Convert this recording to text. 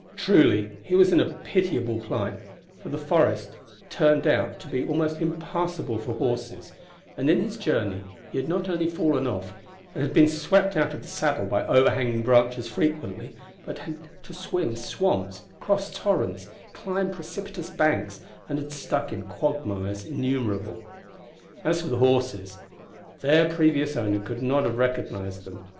Truly, he was in a pitiable plight, for the forest had turned out to be almost impassable for horses, and in his journey he had not only fallen off, and been swept out of the saddle by overhanging branches frequently, but had to swim swamps, cross torrents, climb precipitous banks, and had stuck in quagmires innumerable. As for the horses their previous owner could not have recognised them.